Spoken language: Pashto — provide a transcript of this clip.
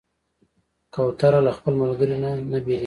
کوتره له خپل ملګري نه نه بېلېږي.